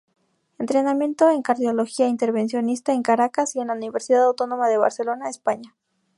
Entrenamiento en Cardiología Intervencionista en Caracas y en la Universidad Autónoma de Barcelona, España.